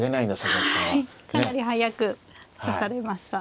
かなり速く指されました。